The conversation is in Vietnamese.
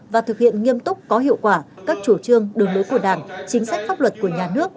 và thực hiện nghiêm túc có hiệu quả các chủ trương đường lối của đảng chính sách pháp luật của nhà nước